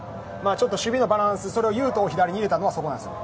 ちょっと守備のバランス佑都を左に入れたのはそこなんです。